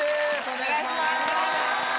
お願いします。